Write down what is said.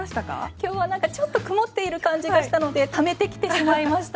今日はちょっと曇っている感じがしたのでためてきてしまいました。